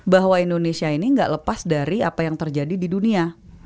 bahwa indonesia ini nggak lepas dari apa yang terjadi di dunia